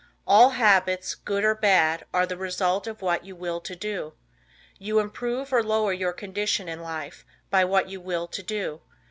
All habits, good or bad, are the result of what you will to do. You improve or lower your condition in life by what you will to do.